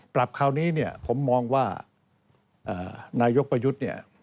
ปรับคราวนี้ผมมองว่านายกประยุทธ์